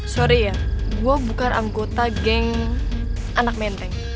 sorry ya gue bukan anggota geng anak menteng